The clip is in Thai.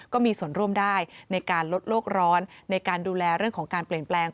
ก็มีส่วนร่วมได้ในการลดโลกร้อนในการดูแลเรื่องของการเปลี่ยนแปลง